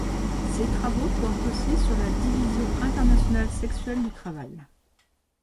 Ses travaux portent aussi sur la division internationale sexuelle du travail.